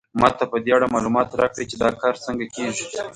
ما ته په دې اړه معلومات راکړئ چې دا کار څنګه کیږي